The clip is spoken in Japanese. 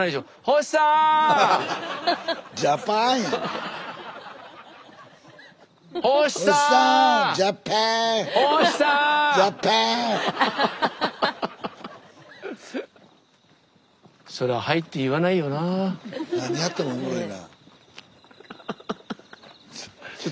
スタジオ何やってもおもろいな。